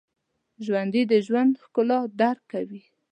ژوندي د ژوند ښکلا درک کوي